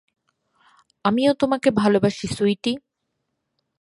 আমিও তোমাকে ভালোবাসি, সুইটি।